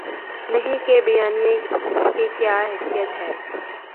نہیں کے بیانیے کی کیا حیثیت ہے؟